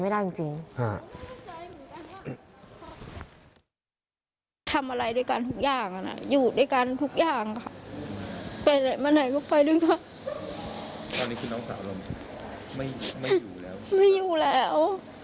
ไม่อยู่แล้ว